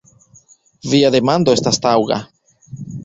Via demando estas taŭga.